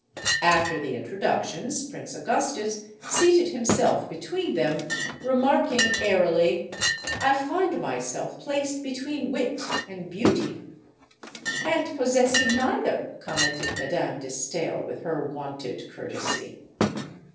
After the introductions, Prince Augustus seated himself be tween them, remarking airily: "I find myself placed between Wit and Beauty." "And possessing neither," commented Madame de Stael, with her wonted courtesy.